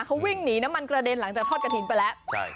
เขาวิ่งหนีน้ำมันกระเด็นหลังจากทอดกระถิ่นไปแล้ว